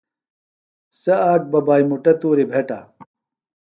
سےۡ آک ببائی مُٹہ تُوریۡ بھیٹہ۔